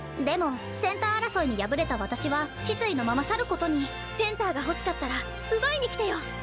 でもセンター争いに敗れた私は失意のまま去ることにセンターが欲しかったら奪いにきてよ。